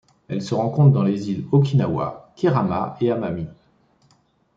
Elle se rencontre dans les îles Okinawa, Kerama et Amami.